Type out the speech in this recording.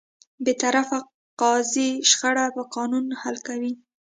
بېطرفه قاضي شخړه په قانون حل کوي.